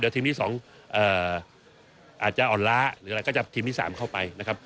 ทีมที่๒อาจจะอ่อนล้าหรืออะไรก็จะทีมที่๓เข้าไปนะครับ